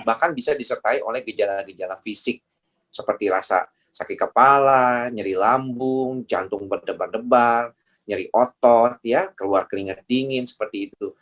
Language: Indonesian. bahkan bisa disertai oleh gejala gejala fisik seperti rasa sakit kepala nyeri lambung jantung berdebar debar nyeri otot keluar keringat dingin seperti itu